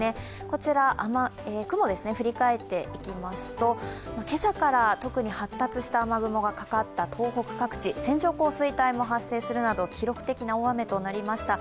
こちら雲を振り返っていきますと、今朝から、特に発達した雨雲がかかった東北各地、線状降水帯も発生するなど記録的な大雨となりました。